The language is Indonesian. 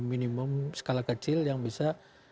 minimum skala kecil yang bisa